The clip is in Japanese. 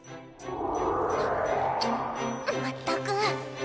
まったく。